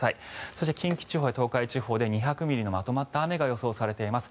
そして近畿地方や東海地方で２００ミリのまとまった雨が予想されています。